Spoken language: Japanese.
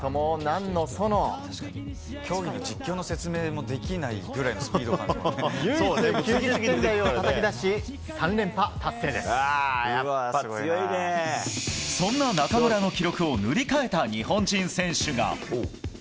競技の実況の説明もできないぐらいの唯一、９０点台をたたき出しそんな中村の記録を塗り替える日本人選手が。